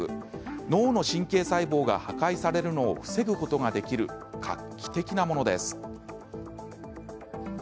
脳の神経細胞が破壊されるのを防ぐことができる画期的なものです。